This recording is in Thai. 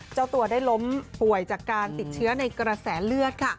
เจ้าตัวได้ล้มป่วยจากการติดเชื้อในกระแสเลือดค่ะ